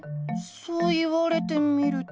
そう言われてみると。